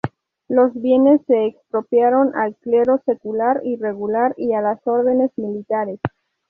Los bienes se expropiaron al clero secular y regular, y a las órdenes militares.